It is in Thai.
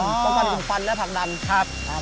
ป้องกันกลุ่มควันและผักดัน